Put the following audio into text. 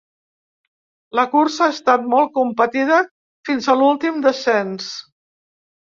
La cursa ha estat molt competida fins a l’últim descens.